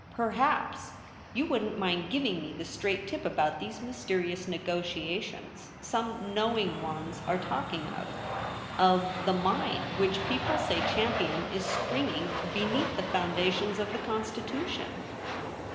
Perhaps you wouldn't mind giving me the straight tip about these mysterious negotia tions some knowing ones are talking of — of the mine which people say Champion is springing beneath the foundations of the Con stitution.'